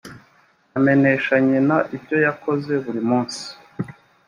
amenesha nyina ibyoyakoze buri munsi.